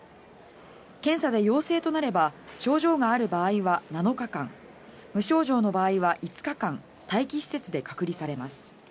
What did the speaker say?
検査で陽性となれば症状がある場合は７日間無症状の場合は５日間待機施設で隔離されます。